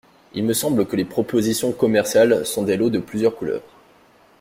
Il me semble que les propositions commerciales sont des lots de plusieurs couleurs.